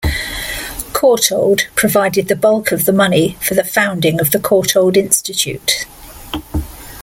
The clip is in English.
Courtauld provided the bulk of the money for the founding of the Courtauld Institute.